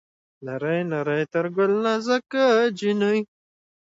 نرۍ نرى تر ګل نازکه جينۍ